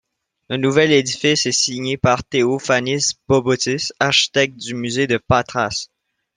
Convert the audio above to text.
Le nouvel édifice est signé par Theofanis Bobotis, architecte du musée de Patras.